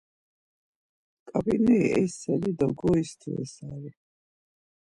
Ǩap̌ineri eiseli do goistuesari.